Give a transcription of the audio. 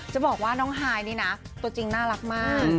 จะบอกว่าน้องฮายนี่นะตัวจริงน่ารักมาก